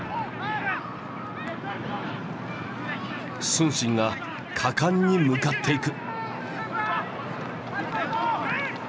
承信が果敢に向かっていく。